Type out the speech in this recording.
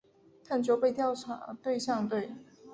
探寻被调查对象对。